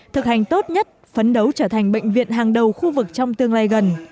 thực hành tốt nhất phấn đấu trở thành bệnh viện hàng đầu khu vực trong tương lai gần